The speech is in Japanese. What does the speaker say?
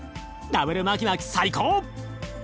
ダブルマキマキ最高！